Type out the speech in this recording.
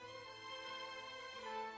selesai kamu masuk di mobil garisi